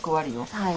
はい。